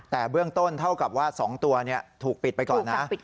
แต่เบื้องต้นเท่ากับว่า๒ตัวถูกปิดไปก่อนนะ